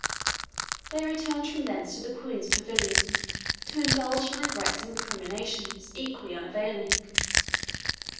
They returned from thence to the Queen's pavilion to indulge in regrets and recriminations, equally unavailing.